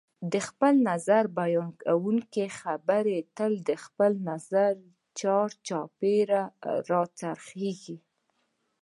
د خپل نظر بیانونکي خبرې تل د خپل نظر چار چاپېره راڅرخیږي